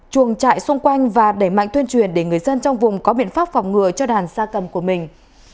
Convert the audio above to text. chuồng trại xung quanh và đẩy mạnh tuyên truyền để người dân trong vùng có biện pháp phòng ngừa cho đàn gia cầm của mình